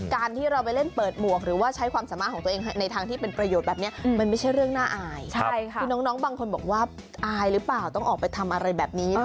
การที่เราไปเล่นเปิดหมวกหรือว่าใช้ความสามารถของตัวเองในทางที่เป็นประโยชน์แบบนี้